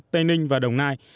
tây ninh và đồng nai